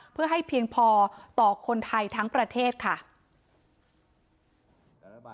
เพื่อให้เพียงพอต่อคนไทยทั้งประเทศค่ะ